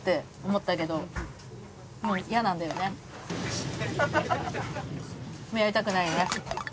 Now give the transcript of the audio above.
もうやりたくないよね？